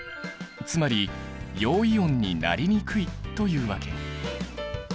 つまり陽イオンになりにくいというわけ。